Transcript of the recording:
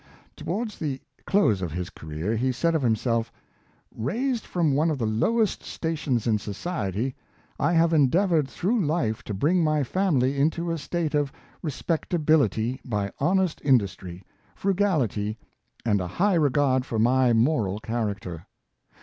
Towards the close of his career he said of him self: " Raised from one of the lowest stations in soci ety, I have endeavored through life to bring my family into a state of Respectability, b}^ honest industry, fru gality, and a high regard for my moral character.